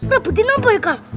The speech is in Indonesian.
rebutin ompoi kak